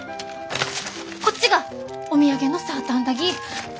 こっちがお土産のサーターアンダギー。